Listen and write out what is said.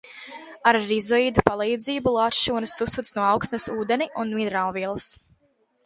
Ar rizoīdu palīdzību, lāčsūnas uzsūc no augsnes ūdeni un minerālvielas.